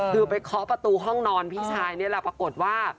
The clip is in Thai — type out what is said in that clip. คือไปเคาะประตูห้องนอนพี่ชายนี่แหละปรากฏว่า